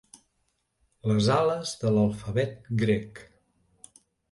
Les ales de l'alfabet grec.